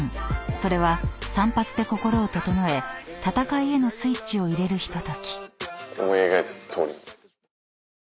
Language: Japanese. ［それは散髪で心を整え戦いへのスイッチを入れるひととき］